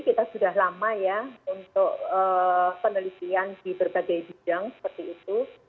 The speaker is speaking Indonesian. kita sudah lama ya untuk penelitian di berbagai bidang seperti itu